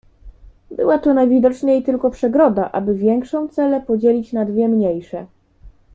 "Była to najwidoczniej tylko przegroda, aby większą celę podzielić na dwie mniejsze."